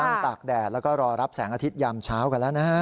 ตากแดดแล้วก็รอรับแสงอาทิตยามเช้ากันแล้วนะฮะ